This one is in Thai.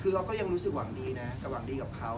คือเขาก็ยังรู้สึกหวังดีนะแต่หวังดีกับเขา